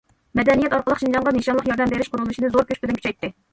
مەدەنىيەت ئارقىلىق شىنجاڭغا نىشانلىق ياردەم بېرىش قۇرۇلۇشىنى زور كۈچ بىلەن كۈچەيتتى.